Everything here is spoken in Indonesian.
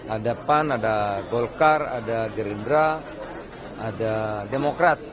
ada pan ada golkar ada gerindra ada demokrat